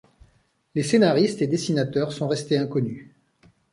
Les scénaristes et dessinateurs sont restés inconnus.